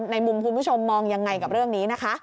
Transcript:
ในมุมคุณผู้ชมมองยังไงกับเรื่องนี้นะคะ